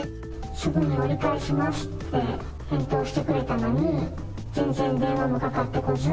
すぐ折り返しますって返答してくれたのに、全然電話もかかってこず。